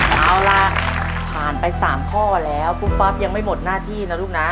เอาล่ะผ่านไป๓ข้อแล้วปุ๊บปั๊บยังไม่หมดหน้าที่นะลูกนะ